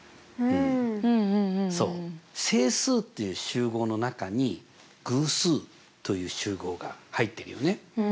そう整数っていう集合の中に偶数という集合が入ってるよね。